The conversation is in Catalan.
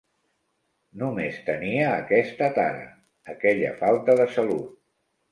No més tenia aquesta tara: aquella falta de salut.